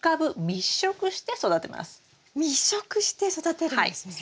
密植して育てるんですね。